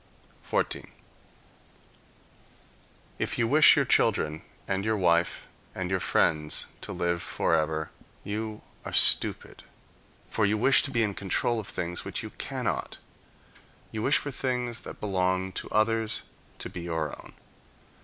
14. If you wish your children, and your wife, and your friends to live for ever, you are stupid; for you wish to be in control of things which you cannot, you wish for things that belong to others to be your own.